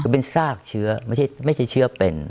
คือเป็นซากเชื้อไม่ใช่เชื้อเป็น